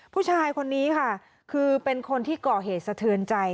ผู้ชายคนนี้ค่ะคือเป็นคนที่ก่อเหตุสะเทือนใจ